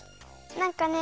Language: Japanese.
なんかね